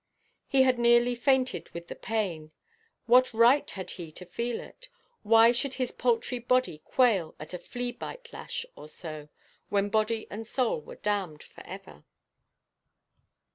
He had nearly fainted with the pain; what right had he to feel it? Why should his paltry body quail at a flea–bite lash or so, when body and soul were damned for ever?